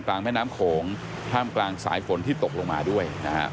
กลางแม่น้ำโขงถ้ามกลางสายฝนที่ตกลงมาด้วย